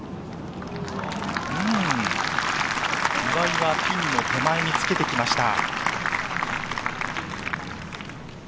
岩井はピンの手前につけてきました。